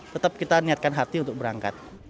tetap kita niatkan hati untuk berangkat